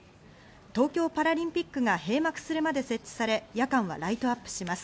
東京パラリンピックが閉幕するまで設置され、夜間はライトアップします。